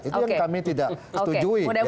itu yang kami tidak setujui